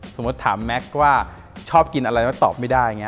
สมมุติถามแม็กซ์ว่าชอบกินอะไรแล้วตอบไม่ได้อย่างนี้